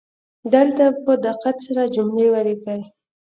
دلته په دقت سره جملې ولیکئ